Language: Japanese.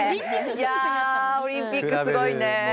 いやオリンピックすごいね。